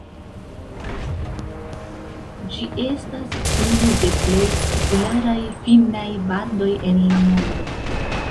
Ĝi estas unu de plej popularaj finnaj bandoj en la mondo.